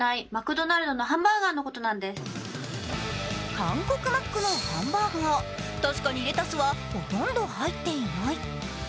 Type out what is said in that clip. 韓国マックのハンバーガー、確かにレタスは、ほとんど入っていない。